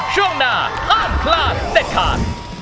ช่วงหน้าห้ามพลาดเด็ดขาด